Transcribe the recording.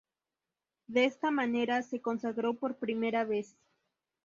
De esta manera se consagró por primera vez.